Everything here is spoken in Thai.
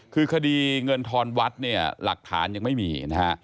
คือคดีเงินทรวรรษหลักฐานยังไม่มีนะฮะ